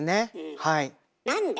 はい。